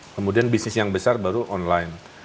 kemudian bisnis yang besar baru online